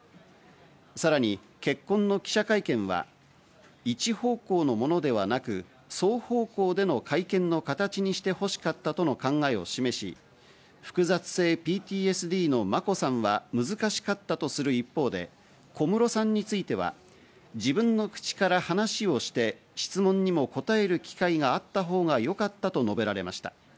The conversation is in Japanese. さらに結婚の記者会見は、一方向のものではなく、双方向での会見の形にしてほしかったとの考えを示し、複雑性ＰＴＳＤの眞子さんは難しかったとする一方で、小室さんについては、自分の口から話をして質問にも答える機会があったほうがよかったと述べられました。